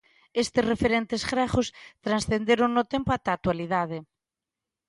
Estes referentes gregos transcenderon no tempo ata a actualidade.